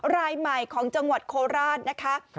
รายใหม่ของจังหวัดโคราชนะคะ